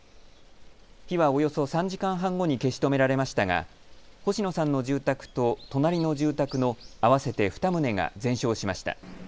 火はおよそ３時間半後に消し止められましたが星野さんの住宅と隣の住宅の合わせて２棟が全焼しました。